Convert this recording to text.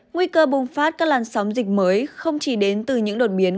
nguy cơ bùng phát các làn sóng dịch mới không chỉ đến từ những đột biến